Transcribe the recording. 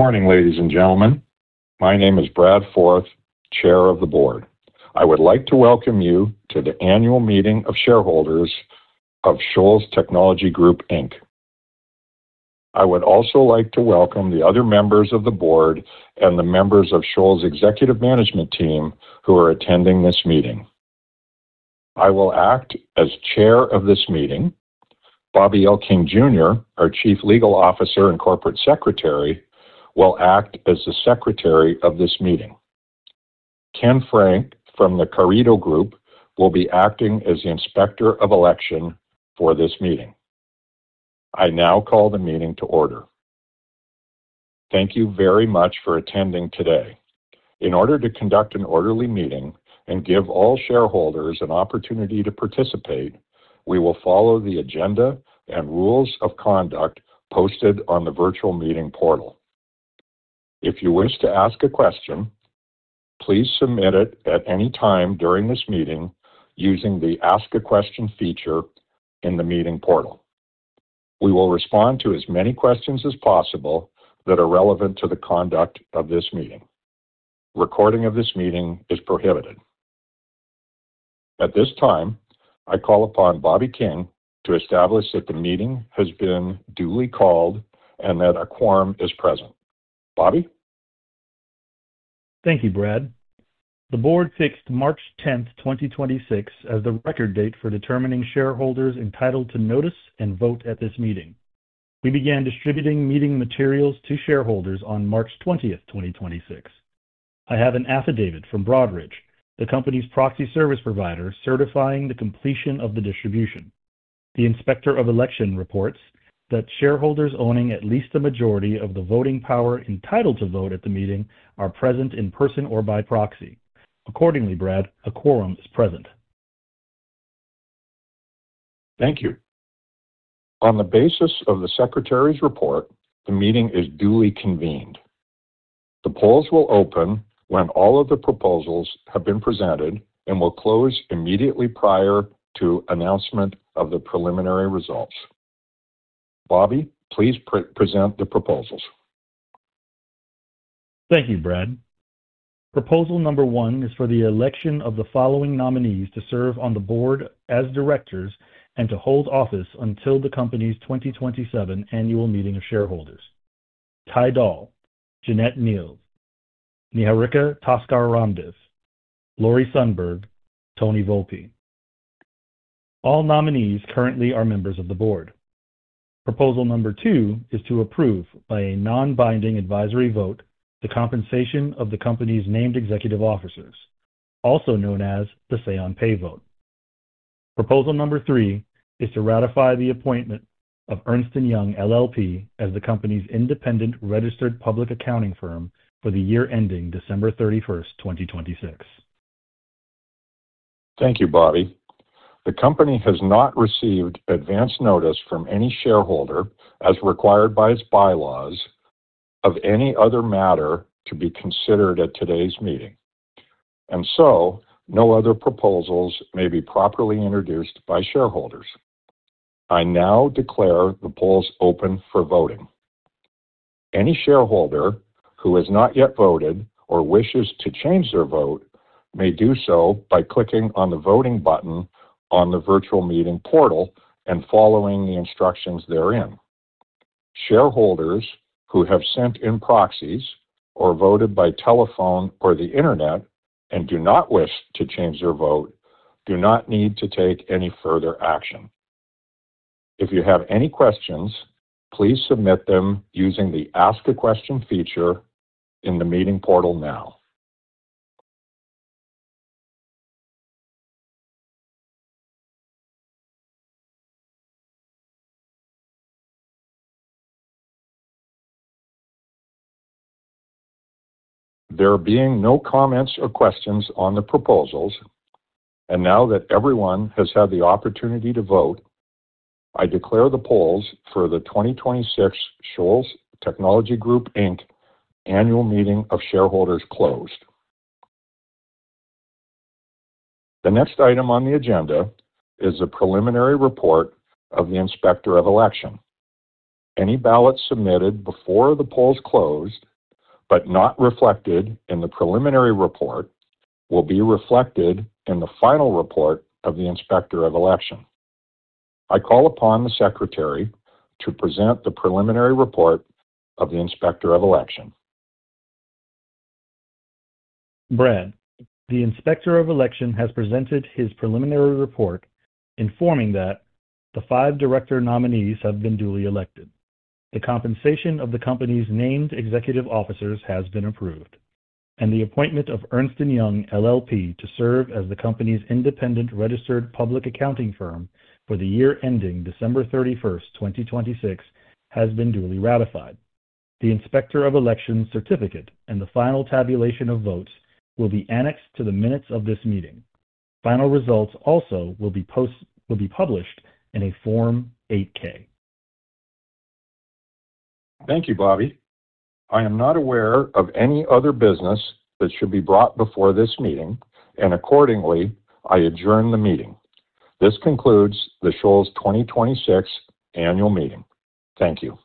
Good morning, ladies and gentlemen. My name is Brad Forth, Chair of the Board. I would like to welcome you to the annual meeting of shareholders of Shoals Technologies Group, Inc. I would also like to welcome the other members of the Board and the members of Shoals' executive management team who are attending this meeting. I will act as Chair of this meeting. Bobbie L. King, Jr., our Chief Legal Officer and Corporate Secretary, will act as the Secretary of this meeting. Ken Frank from The Carideo Group, Inc. will be acting as the Inspector of Election for this meeting. I now call the meeting to order. Thank you very much for attending today. In order to conduct an orderly meeting and give all shareholders an opportunity to participate, we will follow the agenda and rules of conduct posted on the virtual meeting portal. If you wish to ask a question, please submit it at any time during this meeting using the Ask A Question feature in the meeting portal. We will respond to as many questions as possible that are relevant to the conduct of this meeting. Recording of this meeting is prohibited. At this time, I call upon Bobbie L. King, Jr. to establish that the meeting has been duly called and that a quorum is present. Bobbie? Thank you, Brad. The board fixed March 10th, 2026 as the record date for determining shareholders entitled to notice and vote at this meeting. We began distributing meeting materials to shareholders on March 20th, 2026. I have an affidavit from Broadridge, the company's proxy service provider, certifying the completion of the distribution. The inspector of election reports that shareholders owning at least the majority of the voting power entitled to vote at the meeting are present in person or by proxy. Accordingly, Brad, a quorum is present. Thank you. On the basis of the secretary's report, the meeting is duly convened. The polls will open when all of the proposals have been presented and will close immediately prior to announcement of the preliminary results. Bobbie please present the proposals. Thank you, Brad. Proposal number one is for the election of the following nominees to serve on the board as directors and to hold office until the company's 2027 annual meeting of shareholders. Ty Daul, Jeannette Mills, Niharika Taskar Ramdev, Lori Sundberg, Toni Volpe. All nominees currently are members of the board. Proposal number two is to approve by a non-binding advisory vote the compensation of the company's named executive officers, also known as the say on pay vote. Proposal number three is to ratify the appointment of Ernst & Young LLP as the company's independent registered public accounting firm for the year ending December 31st 2026. Thank you, Bobbie. The company has not received advance notice from any shareholder, as required by its bylaws, of any other matter to be considered at today's meeting. No other proposals may be properly introduced by shareholders. I now declare the polls open for voting. Any shareholder who has not yet voted or wishes to change their vote may do so by clicking on the voting button on the virtual meeting portal and following the instructions therein. Shareholders who have sent in proxies or voted by telephone or the Internet and do not wish to change their vote do not need to take any further action. If you have any questions, please submit them using the Ask A Question feature in the meeting portal now. There being no comments or questions on the proposals, now that everyone has had the opportunity to vote, I declare the polls for the 2026 Shoals Technologies Group, Inc. annual meeting of shareholders closed. The next item on the agenda is a preliminary report of the inspector of election. Any ballot submitted before the polls closed but not reflected in the preliminary report will be reflected in the final report of the inspector of election. I call upon the secretary to present the preliminary report of the inspector of election. Brad, the inspector of election has presented his preliminary report informing that the five director nominees have been duly elected. The compensation of the company's named executive officers has been approved, and the appointment of Ernst & Young LLP to serve as the company's independent registered public accounting firm for the year ending December 31st, 2026, has been duly ratified. The inspector of election certificate and the final tabulation of votes will be annexed to the minutes of this meeting. Final results also will be published in a Form 8-K. Thank you, Bobbie. I am not aware of any other business that should be brought before this meeting, accordingly, I adjourn the meeting. This concludes the Shoals 2026 annual meeting. Thank you.